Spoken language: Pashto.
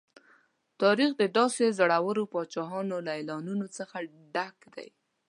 تاریخ د داسې زورورو پاچاهانو له اعلانونو څخه ډک دی.